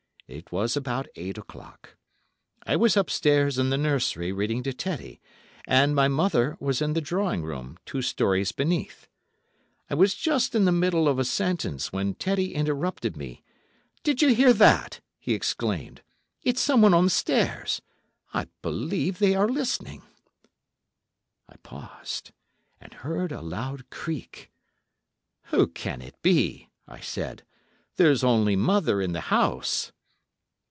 It was about eight o'clock. I was upstairs in the nursery reading to Teddy, and my mother was in the drawing room, two storeys beneath. I was just in the middle of a sentence, when Teddy interrupted me. 'Did you hear that?' he exclaimed; 'it's someone on the stairs. I believe they are listening.' I paused, and heard a loud creak. 'Who can it be?' I said; 'there's only mother in the house!